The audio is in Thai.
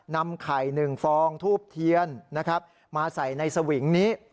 นำไข่หนึ่งฟองทูปเทียนมาใส่ในสวิงนี้